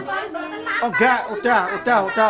oh enggak udah udah